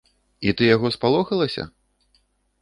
І ты яго спалохалася?